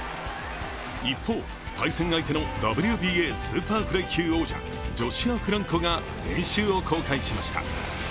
一方、対戦相手のＷＢＡスーパーフライ級王者ジョシュア・フランコが練習を公開しました。